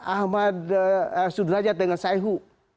ahmad sudrajat dengan sayhu